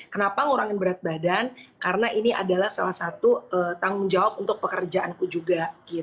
kenapa ngurangin berat badan karena ini adalah salah satu tanggung jawab untuk pekerjaanku juga